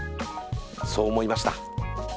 そう思いました。